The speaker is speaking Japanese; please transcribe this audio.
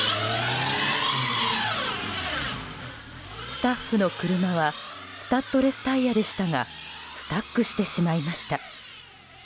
スタッフの車はスタッドレスタイヤでしたがスタックしてしまいました。